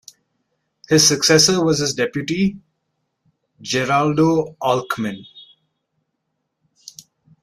His successor was his deputy, Geraldo Alckmin.